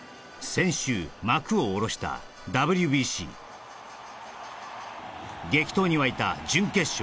先週幕を下ろしたＷＢＣ激闘に沸いた準決勝